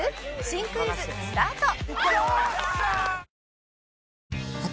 新クイズスタート！